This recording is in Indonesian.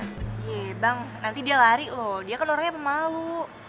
ye bang nanti dia lari oh dia kan orangnya pemalu